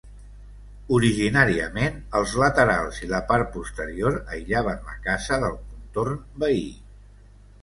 Originàriament els laterals i la part posterior aïllaven la casa del contorn veí.